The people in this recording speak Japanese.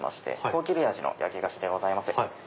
とうきび味の焼き菓子でございます。